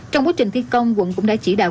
trong quá trình thi công quận cũng đã chỉ đạo